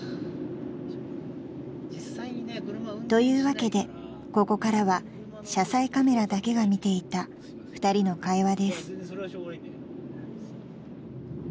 ［というわけでここからは車載カメラだけが見ていた２人の会話です］